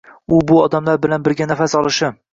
u bu odamlar bilan birga nafas olishi